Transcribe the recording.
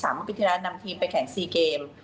มันเป็นที่นำทีมไปแข่ง๔เกม